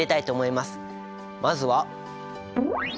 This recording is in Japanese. まずは。